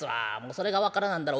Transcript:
それが分からなんだら